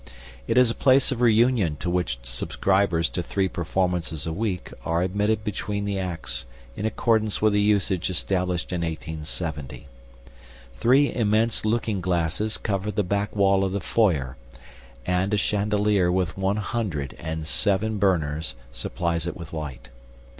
It is a place of reunion to which subscribers to three performances a week are admitted between the acts in accordance with a usage established in 1870. Three immense looking glasses cover the back wall of the FOYER, and a chandelier with one hundred and seven burners supplies it with light.